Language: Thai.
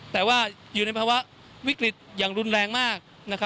แต่ว่าอยู่ในภาวะวิกฤตอย่างรุนแรงมาก